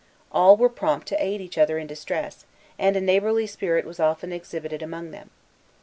All were prompt to aid each other in distress, and a neighborly spirit was often exhibited among them.